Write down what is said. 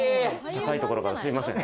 高いところからすみません。